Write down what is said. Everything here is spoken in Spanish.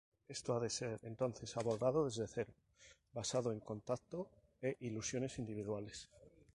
Esto ha de ser entonces abordado desde cero, basado en contactos e ilusiones individuales.